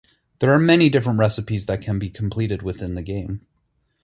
There are many different recipes that can be completed within the game.